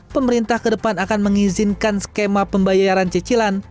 pemerintah ke depan akan mengizinkan skema pembayaran cicilan